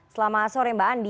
selamat sore mbak andi